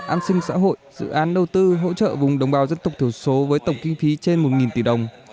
an sinh xã hội dự án đầu tư hỗ trợ vùng đồng bào dân tộc thiểu số với tổng kinh phí trên một tỷ đồng